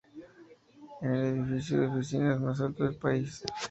Es el edificio de oficinas más alto del país.